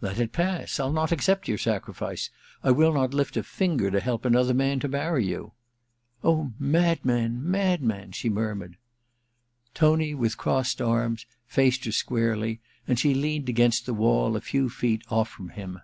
*Let it pass. I'll not accept your sacrifice. I will not lift a finger to help another man to marry you.' * Oh, madman, madman 1 ' she murmured. Tony, with crossed arms, faced her squarely, and she leaned against the wall a few feet off from him.